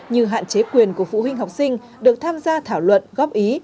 như hạn chế quyền của phụ huynh học sinh được tham gia thảo luận góp ý